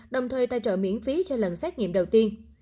đồng thời tài trợ miễn phí cho lần xét nghiệm đầu tiên